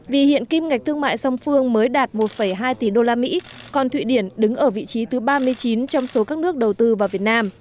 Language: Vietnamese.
vì hiện kim ngạch thương mại song phương mới đạt một hai tỷ usd còn thụy điển đứng ở vị trí thứ ba mươi chín trong số các nước đầu tư vào việt nam